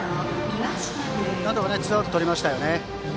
なんとかツーアウトとりましたよね。